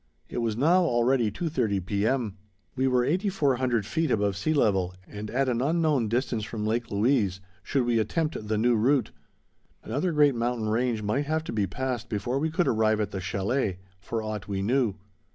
It was now already two thirty P.M. We were 8400 feet above sea level and at an unknown distance from Lake Louise, should we attempt the new route. Another great mountain range might have to be passed before we could arrive at the chalet, for aught we knew.